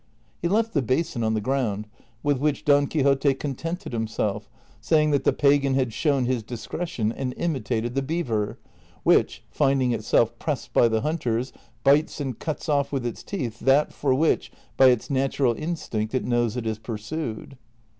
He left the basin on the ground, with which Don Quixote contented himself, saying that the pagan had shown his discre tion and imitated the beaver, which finding itself pressed by the hunters bites and cuts off with its teeth that for which, by its natural instinct, it knows it is pursued.